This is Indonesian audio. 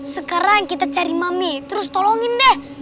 sekarang kita cari mami terus tolongin dah